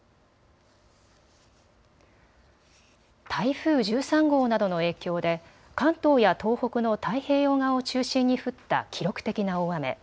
台風１３号などの影響で関東や東北の太平洋側を中心に降った記録的な大雨。